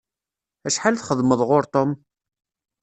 Acḥal txedmeḍ ɣur Tom?